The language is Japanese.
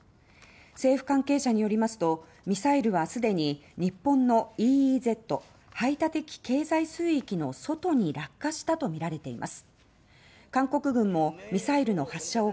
政府関係者によりますとミサイルは既に日本のＥＥＺ排他的経済水域の内側に着弾しています。